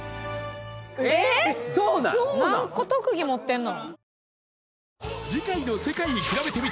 何個特技持ってんの？